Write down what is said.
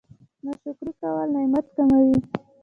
ناشکري کول نعمت کموي